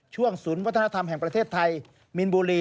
ศูนย์วัฒนธรรมแห่งประเทศไทยมีนบุรี